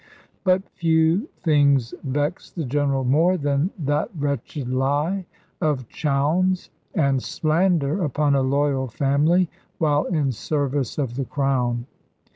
But few things vexed the General more than that wretched lie of Chowne's, and slander upon a loyal family while in service of the Crown.